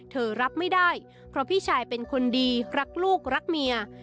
รับไม่ได้เพราะพี่ชายเป็นคนดีรักลูกรักเมีย